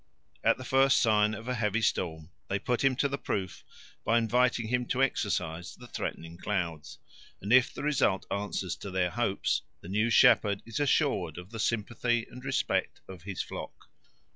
At the first sign of a heavy storm they put him to the proof by inviting him to exorcise the threatening clouds; and if the result answers to their hopes, the new shepherd is assured of the sympathy and respect of his flock.